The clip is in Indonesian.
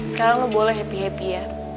sekarang lo boleh happy happy ya